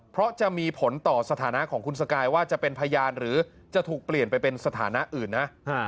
เพราะจะมีผลต่อสถานะของคุณสกายว่าจะเป็นพยานหรือจะถูกเปลี่ยนไปเป็นสถานะอื่นนะ